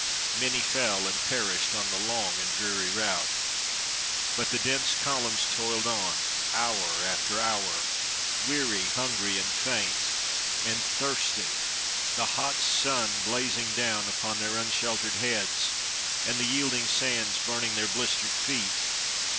Many fell and perished on the long and dreary route. But the dense columns toiled on, hour after hour, weary, hungry, and faint, and thirsty, the hot sun blazing down upon their unsheltered heads, and the yielding sands burning their blistered feet.